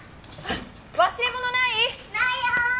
忘れ物ない？ないよー！